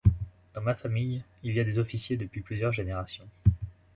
Dans ma famille il y a des officiers depuis plusieurs générations.